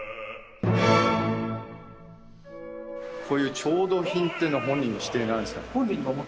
こういう調度品っていうのは本人の指定なんですか？